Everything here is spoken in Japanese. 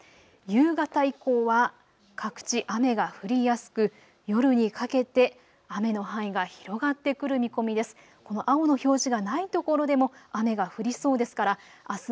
夕方以降は各地、雨が降りやすく夜にかけて雨の範囲が広がってくる見込みです。